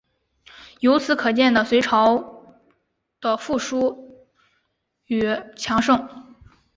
由此可见的隋朝的富庶与强盛。